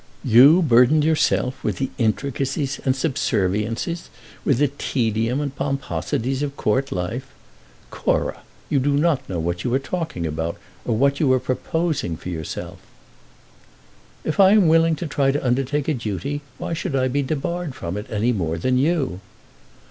"You burden yourself with the intricacies and subserviences, with the tedium and pomposities of Court life! Cora, you do not know what you are talking about, or what you are proposing for yourself." "If I am willing to try to undertake a duty, why should I be debarred from it any more than you?"